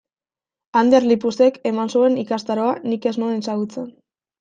Ander Lipusek eman zuen ikastaroa nik ez nuen ezagutzen.